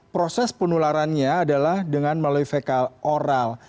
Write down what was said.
proses penularannya adalah dengan melalui fekal oral